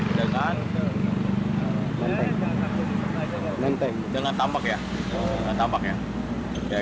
di depan ini di atas rel kereta api antara manggarai dengan tamak